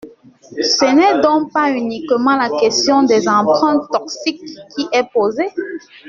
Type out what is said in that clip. Ce n’est donc pas uniquement la question des emprunts toxiques qui est posée.